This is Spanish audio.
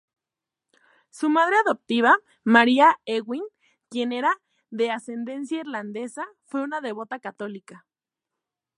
Su madre adoptiva, Maria Ewing, quien era de ascendencia irlandesa, fue una devota católica.